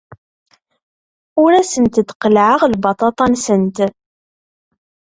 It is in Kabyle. Ur asent-d-qellɛeɣ lbaṭaṭa-nsent.